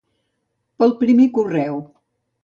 Pel primer correu.